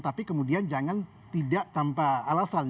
tapi kemudian jangan tidak tanpa alasan